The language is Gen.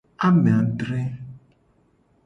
Amangdre.